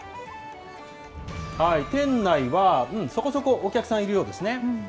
店内は、うん、そこそこお客さんいるようですね。